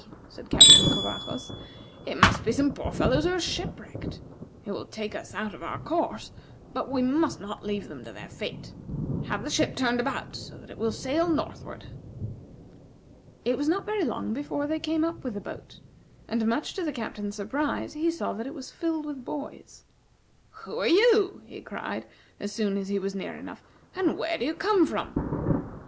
said Captain Covajos, "it must be some poor fellows who are shipwrecked. It will take us out of our course, but we must not leave them to their fate. Have the ship turned about, so that it will sail northward." It was not very long before they came up with the boat; and, much to the Captain's surprise, he saw that it was filled with boys. "Who are you?" he cried as soon as he was near enough. "And where do you come from?"